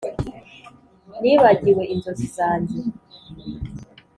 nibagiwe inzozi zanjye.